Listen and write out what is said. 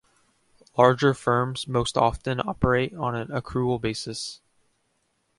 Larger firms most often operate on an accrual basis.